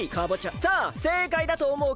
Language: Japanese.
さあせいかいだとおもうか